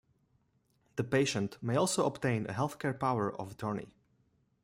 The patient may also obtain a health care power of attorney.